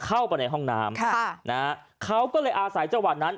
เข้าไปในห้องน้ำค่ะนะฮะเขาก็เลยอาศัยจังหวัดนั้น